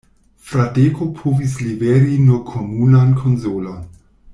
Fradeko povis liveri nur komunan konsolon.